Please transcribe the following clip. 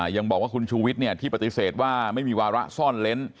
ยังบอกว่าคุณชูวิทย์ที่ปฏิเสธว่าไม่มีวาระซ่อนเล้น